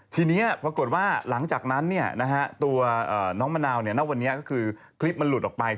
ทีนี้รักจากนั้นน้องมะนาวครีบออกไป